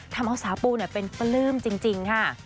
ทำเอาสาปูเป็นปลื้มจริงค่ะ